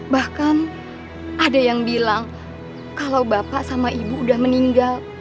bahkan ada yang bilang kalau bapak sama ibu udah meninggal